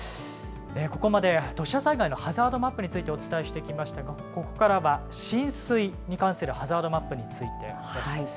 ここまで土砂災害のハザードマップについて、お伝えしてきましたが、ここからは、浸水に関するハザードマップについてです。